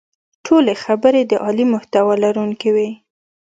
ټولې خبرې د عالي محتوا لرونکې وې.